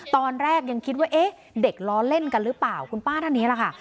ตอนแรกยังคิดว่าเอ๊ะเด็กล้อเล่นกันหรือเปล่าคุณป้าท่านนี้แหละค่ะ